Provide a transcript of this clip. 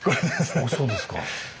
あそうですか。